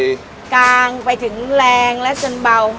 กลางไปถึงแรงและจนเบา